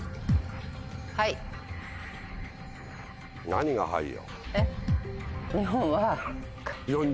何が「はい」よ。え？